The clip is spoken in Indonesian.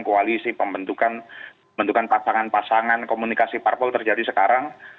koalisi pembentukan pembentukan pasangan pasangan komunikasi parpol terjadi sekarang